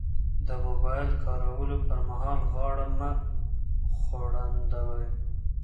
د موبایل کارولو پر مهال غاړه مه ځوړندوئ.